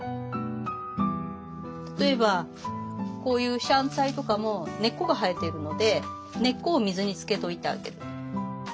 例えばこういうシャンツァイとかも根っこが生えてるので根っこを水につけといてあげる。